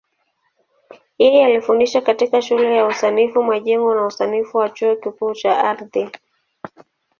Yeye alifundisha katika Shule ya Usanifu Majengo na Usanifu wa Chuo Kikuu cha Ardhi.